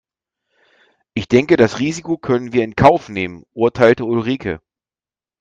Ich denke das Risiko können wir in Kauf nehmen, urteilte Ulrike.